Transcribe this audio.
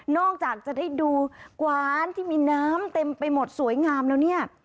จากจะได้ดูกวานที่มีน้ำเต็มไปหมดสวยงามแล้วเนี่ย